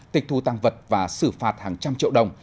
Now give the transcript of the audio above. tịch thu tăng vật và xử phạt hàng trăm triệu đồng